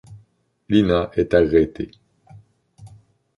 Lina est arrêtée.